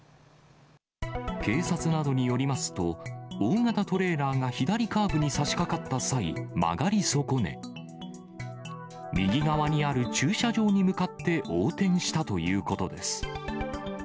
警察などによりますと、大型トレーラーが左カーブにさしかかった際、曲がり損ね、右側にある駐車場に向かって横転したということです。